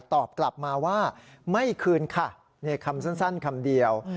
ตอบกลับมาว่าไม่คืนค่ะคำสั้นคำเดียว